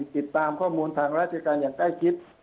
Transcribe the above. ติดตามข้อมูลทางราชการอย่างใกล้ชิด